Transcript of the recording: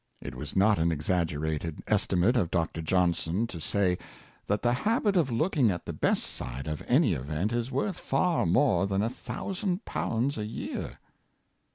It was not an exaggerated estimate of Dr. Johnson to say, that the habit of looking at the best side of any event is worth far more than a thousand pounds a year.